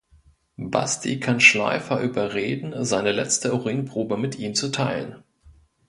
Basti kann Schleifer überreden, seine letzte Urinprobe mit ihm zu teilen.